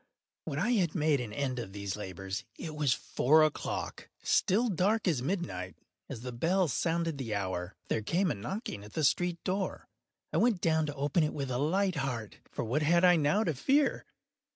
When I had made an end of these labors, it was four o’clock—still dark as midnight. As the bell sounded the hour, there came a knocking at the street door. I went down to open it with a light heart,—for what had I now to fear?